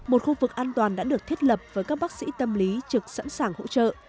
một khu vực an toàn đã được thiết lập với các bác sĩ tâm lý trực sẵn sàng hỗ trợ